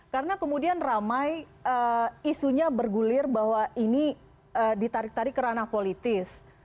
karena kemudian ramai isunya bergulir bahwa ini ditarik tarik kerana politis